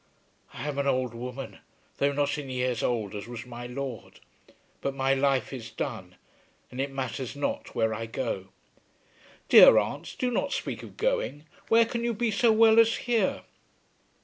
"I am an old woman, though not in years old as was my lord. But my life is done, and it matters not where I go." "Dear aunt, do not speak of going. Where can you be so well as here?"